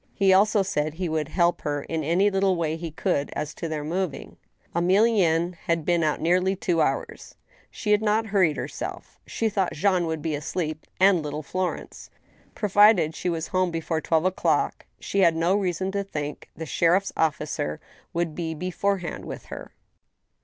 He also said he would help her in any little way he could as to their moving. Emilienne had been out nearly two hours. She had not hurried herself. She thought Jean would be asleep, and little Florence. Provided she was home before twelve o'clock, she had no reason to think the sheriff's officer would be beforehand with her.